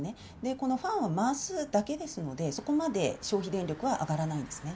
このファンは回すだけですので、そこまで消費電力は上がらないんですね。